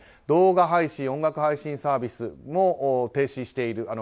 動画配信・音楽配信サービスも停止している。